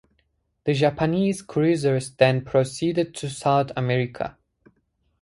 The Japanese cruisers then proceeded to South America.